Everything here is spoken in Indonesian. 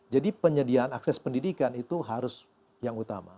jadi penyediaan akses pendidikan itu harus yang utama